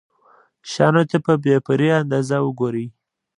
شيانو ته په بې پرې انداز وګوري.